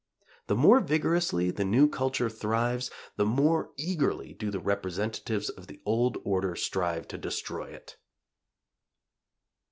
The more vigorously the new culture thrives, the more eagerly do the representatives of the old order strive to destroy it.